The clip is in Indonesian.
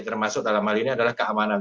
termasuk dalam hal ini adalah keamanan